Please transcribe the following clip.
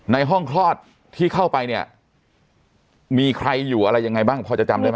ในห้องคลอดที่เข้าไปเนี่ยมีใครอยู่อะไรยังไงบ้างพอจะจำได้ไหม